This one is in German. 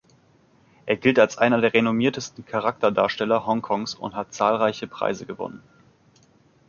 Er gilt als einer der renommiertesten Charakterdarsteller Hongkongs und hat zahlreiche Preise gewonnen.